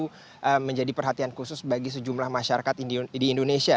itu menjadi perhatian khusus bagi sejumlah masyarakat di indonesia